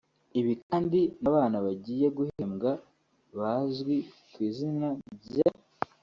Ibi kandi n’abana bagiye bahembwa bazwi ku izina ry’